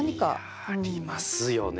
いやありますよね。